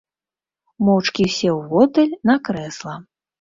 Моўчкі сеў воддаль на крэсла.